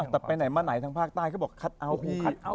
แต่ไปไหนมาไหนทางภาคใต้เขาบอกคัดเอาทงคัดเอาท